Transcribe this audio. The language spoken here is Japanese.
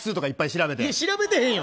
調べてへんよ。